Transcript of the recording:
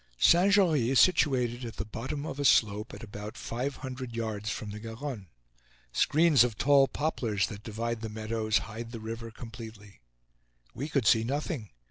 Saint Jory is situated at the bottom of a slope at about five hundred yards from the Garonne. Screens of tall poplars that divide the meadows, hide the river completely. We could see nothing.